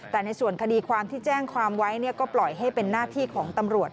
แต่ในส่วนคดีความที่แจ้งความไว้ก็ปล่อยให้เป็นหน้าที่ของตำรวจ